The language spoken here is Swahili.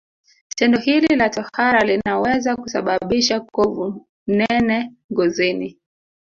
Tendo hili la tohara linaweza kusababisha kovu nene ngozini